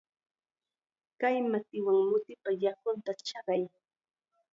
Kay matiwan mutipa yakunta chaqay.